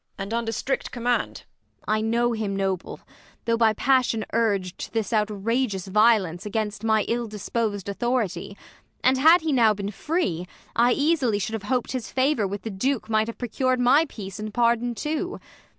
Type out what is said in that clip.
And under strict command. Ang. I know him noble, though by passion urg'd To this outrageous violence against My ill dispos'd authority : and, had He now been free, I easily should have hop'd His favour with the Duke might have procur'd My peace and pardon too.